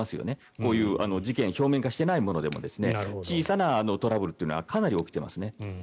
こうした事件表面化していないものでも小さなトラブルというのはかなり起きています。